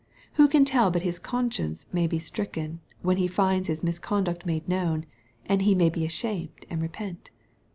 Who can tell but his conscience may be stricken, when he finds his misconduct made known, and he may be ashamed and repent